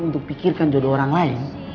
untuk pikirkan jodoh orang lain